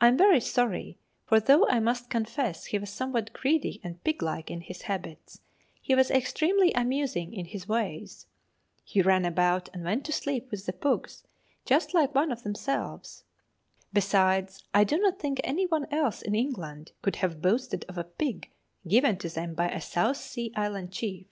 I am very sorry; for though I must confess he was somewhat greedy and pig like in his habits, he was extremely amusing in his ways. He ran about and went to sleep with the pugs, just like one of themselves. Besides, I do not think any one else in England could have boasted of a pig given to them by a South Sea Island chief.